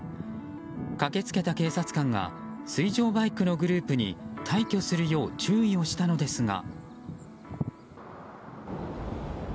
駆け付けた警察官が水上バイクのグループに退去するよう注意をしたのですが。